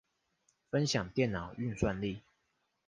分享電腦運算力